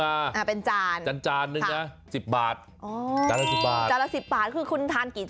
โอ้ยเด็กก็ชอบดูสิ